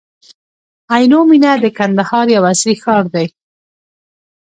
عینو مېنه د کندهار یو عصري ښار دی.